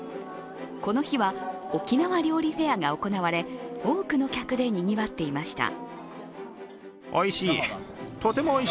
この日は沖縄料理フェアが行われ多くの客でにぎわっていました。